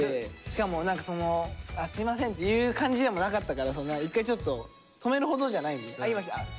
しかもその「すいません」っていう感じでもなかったから一回ちょっと止めるほどじゃない「あ今。